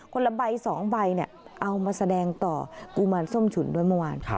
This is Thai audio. คนละใบ๒ใบเนี่ยเอามาแสดงต่อกุมารส้มฉุนโดยเมื่อวาน